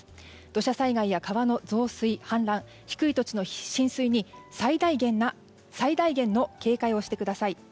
土砂災害や川の増水、氾濫低い土地の浸水に最大限の警戒をしてください。